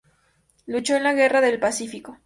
Luchó en la guerra del Pacífico.